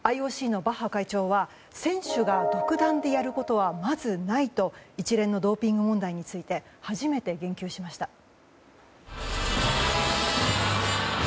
ＩＯＣのバッハ会長は選手が独断でやることはまずないと一連のドーピング問題について初めて言及しました。